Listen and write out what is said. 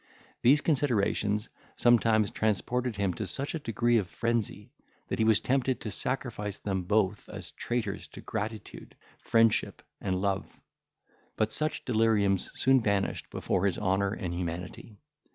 These considerations sometimes transported him to such a degree of frenzy, that he was tempted to sacrifice them both as traitors to gratitude, friendship, and love; but such deliriums soon vanished before his honour and humanity.